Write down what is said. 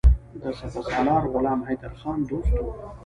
د سپه سالار غلام حیدرخان دوست وو.